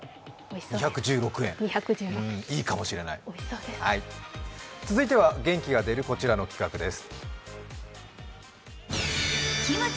２１６円、いいかもしれない続いては元気が出るこちらの企画です。